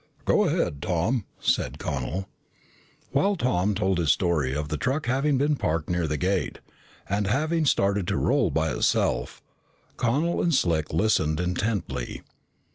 "Go ahead, Tom," said Connel. While Tom told his story of the truck having been parked near the gate, and having started to roll by itself, Connel and Slick listened intently.